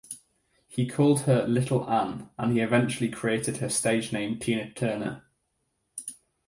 He called her "Little Ann" and he eventually created her stage name Tina Turner.